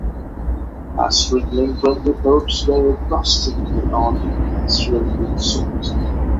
Astrid Lindgren reports very drastically on industrial pig slaughter.